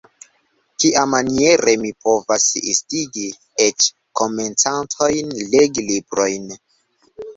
Kiamaniere mi povos instigi eĉ komencantojn legi librojn?